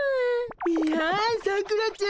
いやんさくらちゃん。